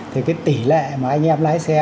thì tỷ lệ mà anh em lái xe